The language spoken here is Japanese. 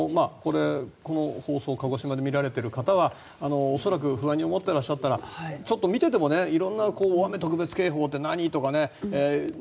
この放送を鹿児島で見られている方は恐らく不安に思っていらっしゃったらちょっと見ていても色んな大雨特別警報って何？とかな